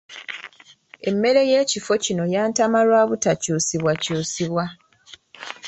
Emmere y'ekifo kino yantama lwa butakyusibwa kyusibwa.